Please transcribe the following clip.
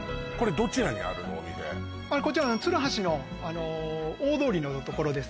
お店鶴橋の大通りのところですね